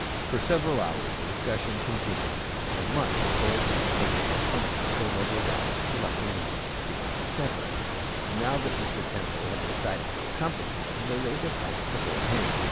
For several hours the discussion continued. For months the boys had been making their plans, going over routes, selecting landing fields, etc. Now that Mr. Temple had decided to accompany them, they laid their plans before him.